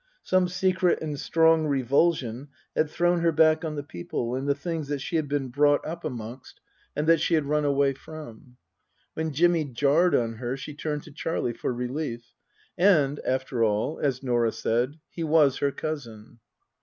Some secret and strong revulsion had thrown her back on the people and the things that she had been brought up 222 Tasker Jevons amongst and that she had run away from. When Jimmy jarred on her she turned to Charlie for relief. And, after all, as Norah said, he was her cousin.